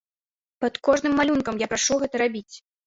Пад кожным малюнкам я прашу гэта рабіць!